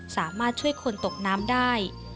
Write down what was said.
สามารถช่วยคนตกน้ำได้